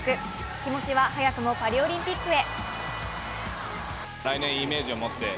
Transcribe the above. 気持ちは早くもパリオリンピックへ。